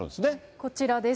こちらです。